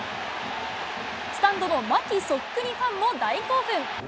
スタンドの牧そっくりファンも大興奮。